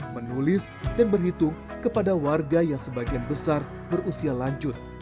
menulis dan berhitung kepada warga yang sebagian besar berusia lanjut